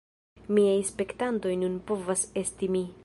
Miaj spektantoj nun povas esti mi